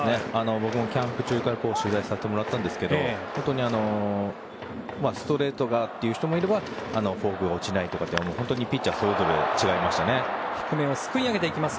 僕もキャンプ中から取材させてもらったんですけど本当にストレートがという人もいればフォークが落ちないとか本当にピッチャーそれぞれ違いましたね。